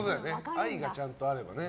愛がちゃんとあればね。